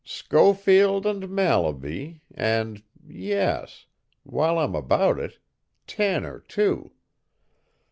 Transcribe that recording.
"Schofield and Mallaby, and yes while I'm about it, Tanner, too.